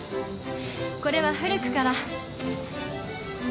これは古くから。